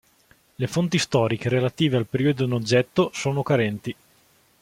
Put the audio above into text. Le fonti storiche relative al periodo in oggetto sono carenti.